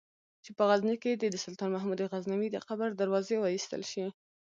چې په غزني کې دې د سلطان محمود غزنوي د قبر دروازې وایستل شي.